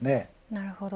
なるほど。